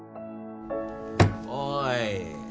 おい。